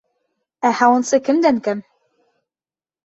Ә һауынсы кемдән кәм?